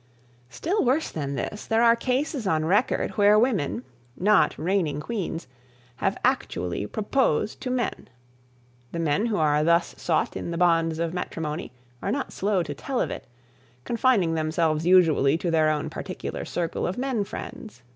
Still worse than this, there are cases on record where women, not reigning queens, have actually proposed to men. The men who are thus sought in the bonds of matrimony are not slow to tell of it, confining themselves usually to their own particular circle of men friends.